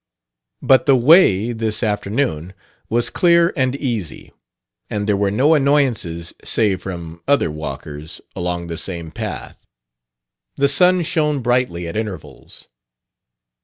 But the way, this afternoon, was clear and easy; and there were no annoyances save from other walkers along the same path. The sun shone brightly at intervals.